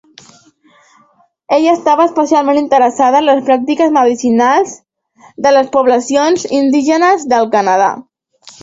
Ella estava especialment interessada en les pràctiques medicinals de les poblacions indígenes del Canadà.